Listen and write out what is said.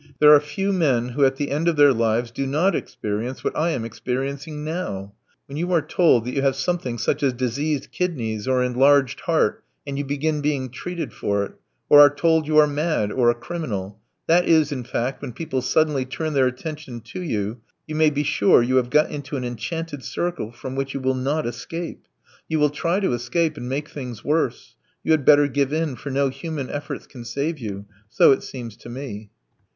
"There are few men who at the end of their lives do not experience what I am experiencing now. When you are told that you have something such as diseased kidneys or enlarged heart, and you begin being treated for it, or are told you are mad or a criminal that is, in fact, when people suddenly turn their attention to you you may be sure you have got into an enchanted circle from which you will not escape. You will try to escape and make things worse. You had better give in, for no human efforts can save you. So it seems to me."